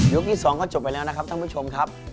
ที่๒ก็จบไปแล้วนะครับท่านผู้ชมครับ